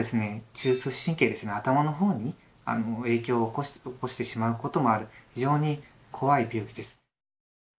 中枢神経ですね頭の方に影響を起こしてしまうこともある非常に怖い病気です。